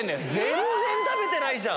全然食べてないじゃん。